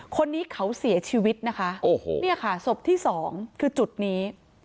คนนี้เขาเสียชีวิตนะคะโอ้โหเนี่ยค่ะศพที่สองคือจุดนี้